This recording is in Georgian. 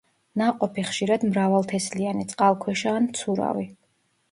ნაყოფი ხშირად მრავალთესლიანი, წყალქვეშა ან მცურავი.